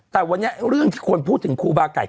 แต่วันนี้เรื่องที่คนพูดถึงครูบาไก่